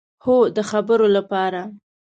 هو، د خبرو لپاره